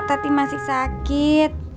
tadi masih sakit